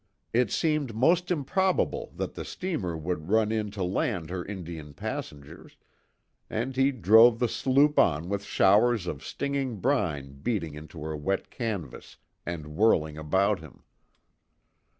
It seemed most improbable that the steamer would run in to land her Indian passengers, and he drove the sloop on with showers of stinging brine beating into her wet canvas and whirling about him.